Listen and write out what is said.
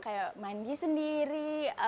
kayak mandi sendiri